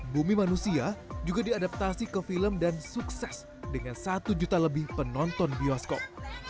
bumi manusia juga diadaptasi ke film dan sukses dengan satu juta lebih penonton bioskop